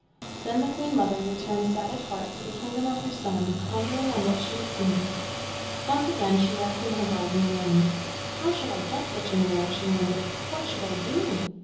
Then the Queen mother returned sad at heart to the kingdom of her son, pondering on what she had seen. Once again she walked in her garden alone. "How shall I get such a mirror?" she wondered. "What should I do?"